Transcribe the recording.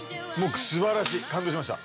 素晴らしい感動しました。